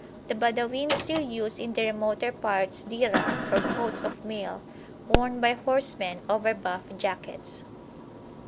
The Badawin still use in the remoter parts Diraa, or coats of mail, worn by horsemen over buff jackets.